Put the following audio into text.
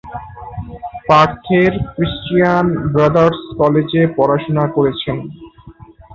পার্থের Christian Brothers কলেজে পড়াশোনা করেছেন।